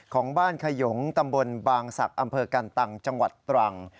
ของบ้านขยงตำบลบางศักดิ์อำเภอกันตังจังหวัดตรัง